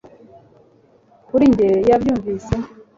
kuri njye ya byumvise